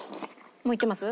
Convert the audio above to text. もういってます？